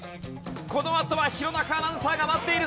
このあとは弘中アナウンサーが待っているぞ。